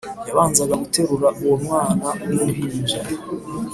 yabanzaga guterura uwo mwana w’uruhinja